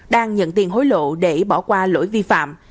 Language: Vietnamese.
đang nhận tiền hối lộ để bỏ qua lỗi vi phạm